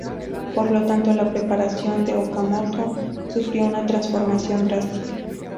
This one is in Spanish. Por lo tanto, la preparación de Okamoto sufrió una transformación drástica.